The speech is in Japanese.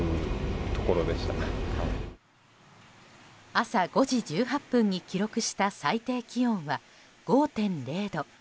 朝５時１８分に記録した最低気温は５．０度。